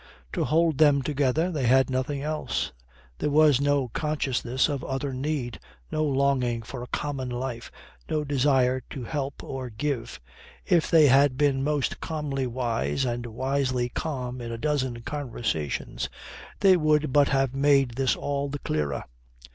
To hold them together they had nothing else. There was no consciousness of other need, no longing for a common life, no desire to help or give. If they had been most calmly wise and wisely calm in a dozen conversations, they would but have made this all the clearer.